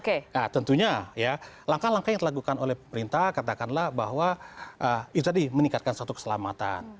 nah tentunya ya langkah langkah yang dilakukan oleh pemerintah katakanlah bahwa itu tadi meningkatkan suatu keselamatan